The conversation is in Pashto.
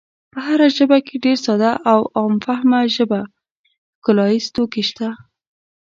په هره ژبه کې ډېر ساده او عام فهمه ژب ښکلاییز توکي شته.